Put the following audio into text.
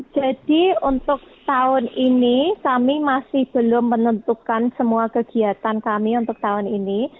jadi untuk tahun ini kami masih belum menentukan semua kegiatan kami untuk tahun ini